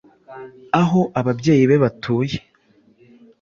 aho ababyeyi be batuye